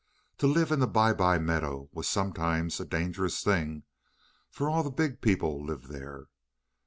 To live in the Bye bye Meadow was sometimes a dangerous thing, for all the big people lived there.